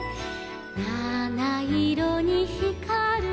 「なないろにひかる」